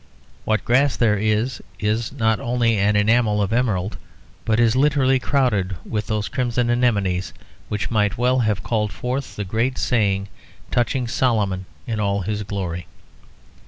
What grass there is is not only an enamel of emerald, but is literally crowded with those crimson anemones which might well have called forth the great saying touching Solomon in all his glory.